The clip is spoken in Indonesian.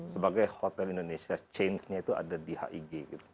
sebagai hotel indonesia change nya itu ada di hig gitu